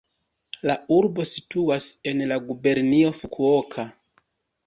La urbo situas en la gubernio Fukuoka.